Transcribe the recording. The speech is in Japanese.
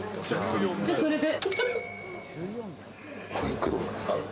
じゃあそれで。